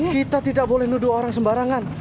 kita tidak boleh nuduh orang sembarangan